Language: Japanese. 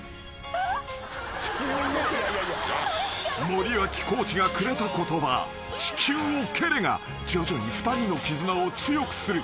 ［森脇コーチがくれた言葉「地球を蹴れ！」が徐々に２人の絆を強くする］